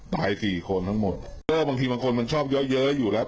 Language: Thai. ตายสี่คนทั้งหมดก็บางทีบางคนมันชอบเยอะเยอะอยู่แล้ว